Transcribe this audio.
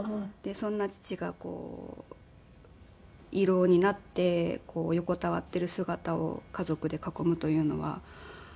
そんな父がこう胃ろうになって横たわっている姿を家族で囲むというのは。